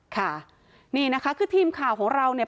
ค่ะนี่นะคะคือทีมข่าวของเราเนี่ย